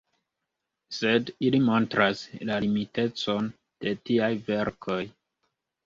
Sed ili montras la limitecon de tiaj verkoj.